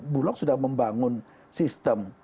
bulog sudah membangun sistem